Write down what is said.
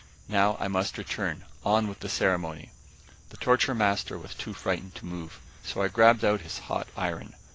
Now I must return on with the ceremony!" The torture master was too frightened to move, so I grabbed out his hot iron.